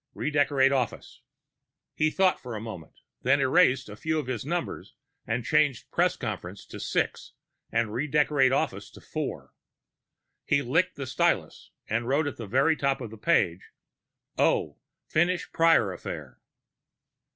Redecorate office_ He thought for a moment, then erased a few of his numbers and changed Press conference to 6. and Redecorate office to 4. He licked the stylus and wrote in at the very top of the paper: _0. Finish Prior affair.